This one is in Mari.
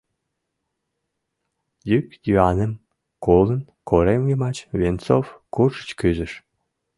Йӱк-йӱаным колын, корем йымач Венцов куржыч кӱзыш.